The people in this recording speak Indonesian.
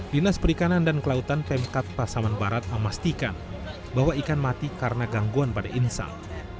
dinas perikanan dan kelautan pemkat pasaman barat memastikan bahwa ikan mati karena gangguan pada insang